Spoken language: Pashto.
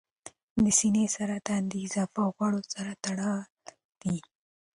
د سینې سرطان د اضافي غوړو سره تړلی دی.